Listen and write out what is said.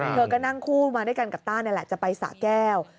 เธอก็นั่งคู่มาด้วยกันกับต้านี่แหละจะไปสะแก้ว